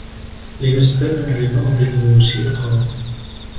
لنستمع لبعض الموسيقى.